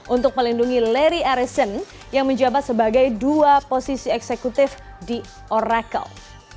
untuk melindungi larry arison yang menjabat sebagai dua posisi eksekutif di oracle